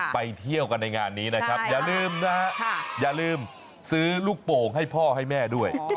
ไปเที่ยวกันในงานนี้นะครับอย่าลืมนะฮะอย่าลืมซื้อลูกโป่งให้พ่อให้แม่ด้วย